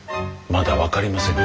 まだ分かりません。